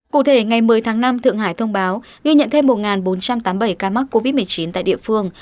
cụ thể ngày một mươi tháng năm thượng hải thông báo ghi nhận thêm một bốn trăm tám mươi bảy ca mắc covid một mươi chín tại địa phương